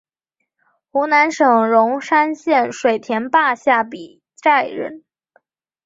湖南省龙山县水田坝下比寨人。